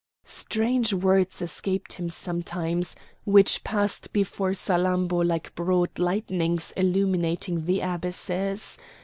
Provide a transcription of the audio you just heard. Strange words escaped him sometimes, which passed before Salammbô like broad lightnings illuminating the abysses.